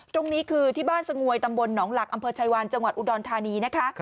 ตรงนี้คือที่บ้านสงวยตำบลหนองหลักอำเภอชายวานจังหวัดอุดรธานีนะคะ